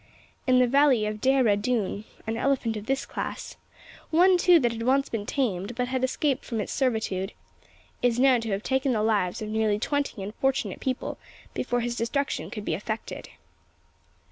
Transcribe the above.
In the valley of the Dheira Doon an elephant of this class one, too, that had once been tamed, but had escaped from his servitude is known to have taken the lives of nearly twenty unfortunate people before his destruction could be effected.